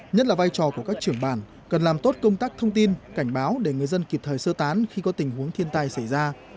nhất là vai trò của các trưởng bản cần làm tốt công tác thông tin cảnh báo để người dân kịp thời sơ tán khi có tình huống thiên tai xảy ra